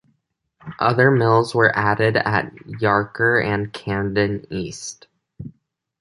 Other mills were added at Yarker and Camden East.